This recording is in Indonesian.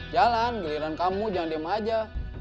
jalan giliran kamu jangan diem aja